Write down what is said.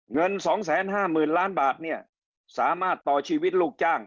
เงิน๒๕๐๐๐ล้านบาทเนี่ยสามารถต่อชีวิตลูกจ้าง